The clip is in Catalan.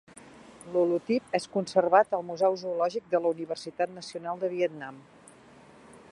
L'holotip és conservat al Museu Zoològic de la Universitat Nacional del Vietnam.